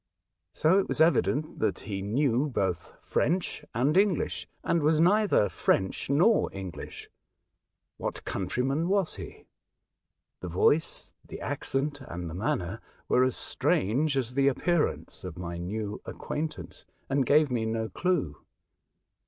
So it was evident that he knew both French and English, and was neither French nor English. What countryman was he ? The voice, the accent, and the manner were as strange as the appearance of my new ac quaintance, and gave me no clue.